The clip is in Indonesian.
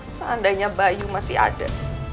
seandainya bayu masih ada